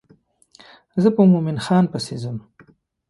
زه په مومن خان پسې ځم.